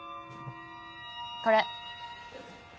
これ。